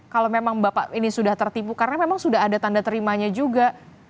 kalau memang bapak ini sudah tertipu karena memang sudah ada tanda terimanya juga